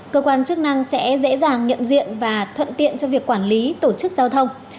cơ quan chức năng sẽ dễ dàng nhận diện và thuận tiện cho việc quản lý tổ chức giao thông